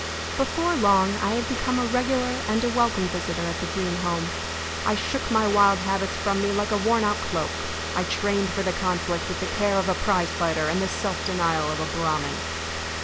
Before long I had become a regular and a welcome visitor at the Greene home. I shook my wild habits from me like a worn out cloak. I trained for the conflict with the care of a prize fighter and the self denial of a Brahmin.